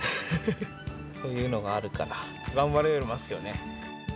こういうのがあるから、頑張れますよね。